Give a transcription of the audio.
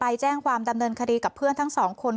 ไปแจ้งความดำเนินคดีกับเพื่อนทั้งสองคน